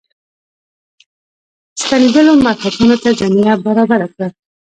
ستنېدلو مرهټیانو ته زمینه برابره کړه.